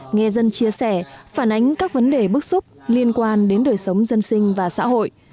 nghe dân chia sẻ phản ánh các vấn đề bức xúc liên quan đến đời sống dân sinh và xã hội